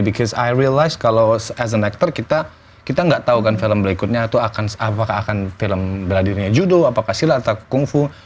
because i realize kalo as an actor kita gak tau kan film berikutnya itu apakah akan film beradirnya judo apakah silat atau kungfu